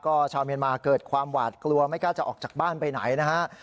ก็ชาวเมียนมาเกิดความหวาดกลัวไม่กล้าจะออกจากบ้านไปไหนนะฮะ